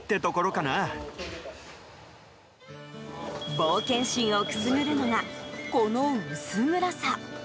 冒険心をくすぐるのがこの薄暗さ。